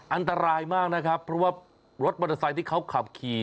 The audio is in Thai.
อันตรายมากนะครับเพราะว่ารถมอเตอร์ไซค์ที่เขาขับขี่